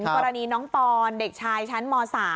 กรณีน้องปอนเด็กชายชั้นม๓